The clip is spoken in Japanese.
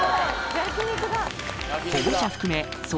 焼き肉だ。